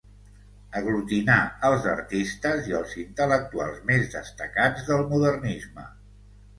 Aglutinà els artistes i els intel·lectuals més destacats del modernisme.